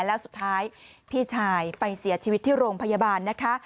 แล้วสุดท้ายพี่ชายไปเสียชีวิตที่โรงพยาบาลนะคะ